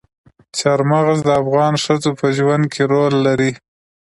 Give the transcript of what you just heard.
چار مغز د افغان ښځو په ژوند کې رول لري.